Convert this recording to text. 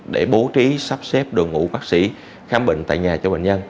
để bố trí sắp xếp đồ ngủ bác sĩ khám bệnh tại nhà cho bệnh nhân